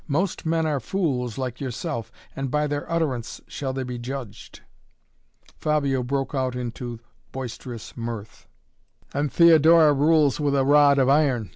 "Most men are fools, like yourself, and by their utterance shall they be judged!" Fabio broke out into boisterous mirth. "And Theodora rules with a rod of iron.